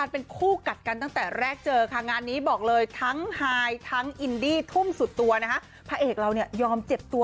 พระเอกเรายอมเจ็บตัว